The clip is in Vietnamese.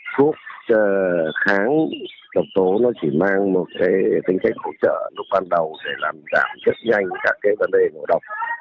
thuốc kháng độc tố chỉ mang một tính cách hỗ trợ lúc ban đầu để làm giảm chất nhanh các vấn đề độc